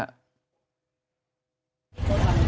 แล้วไป